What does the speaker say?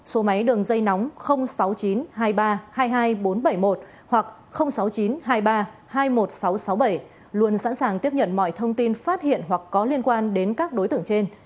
số máy đường dây nóng sáu mươi chín hai mươi ba hai mươi hai nghìn bốn trăm bảy mươi một hoặc sáu mươi chín hai mươi ba hai mươi một nghìn sáu trăm sáu mươi bảy luôn sẵn sàng tiếp nhận mọi thông tin phát hiện hoặc có liên quan đến các đối tượng trên